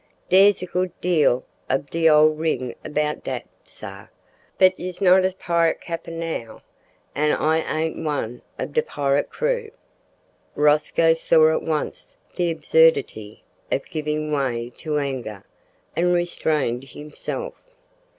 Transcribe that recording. "Dere's a good deal ob de ole ring about dat, sar, but you's not a pirit cappen now, an' I ain't one ob de pirit crew." Rosco saw at once the absurdity of giving way to anger, and restrained himself.